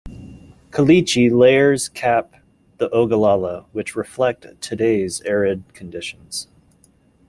Caliche layers cap the Ogallala, which reflect today's arid conditions.